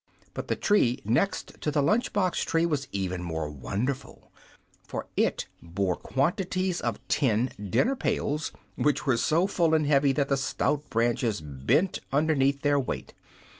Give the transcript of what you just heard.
But the tree next to the lunch box tree was even more wonderful, for it bore quantities of tin dinner pails, which were so full and heavy that the stout branches bent underneath their weight.